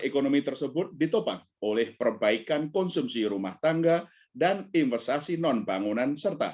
ekonomi tersebut ditopang oleh perbaikan konsumsi rumah tangga dan investasi non bangunan serta